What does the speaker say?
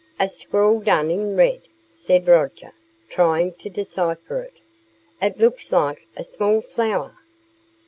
"A scrawl done in red," said Roger, trying to decipher it. "It looks like a small flower."